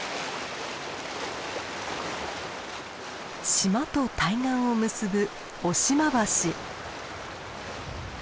島と対岸を結ぶ雄島橋。